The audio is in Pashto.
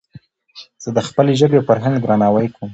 زه د خپلي ژبي او فرهنګ درناوی کوم.